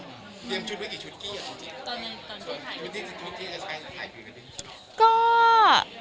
เตรียมชุดไว้กี่ชุดที่จะถ่ายกันดี